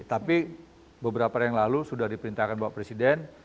tapi beberapa yang lalu sudah diperintahkan bapak presiden